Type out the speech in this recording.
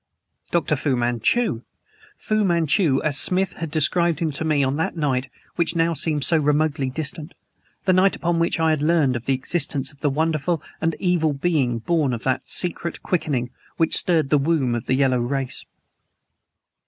.." Dr. Fu Manchu! Fu Manchu as Smith had described him to me on that night which now seemed so remotely distant the night upon which I had learned of the existence of the wonderful and evil being born of that secret quickening which stirred in the womb of the yellow races.